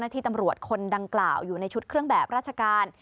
ที่ตำรวจคนดังกล่าวอยู่ในชุดเครื่องแบบราชการ